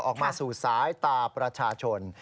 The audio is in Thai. ออกมาสู่สายตาประชาชน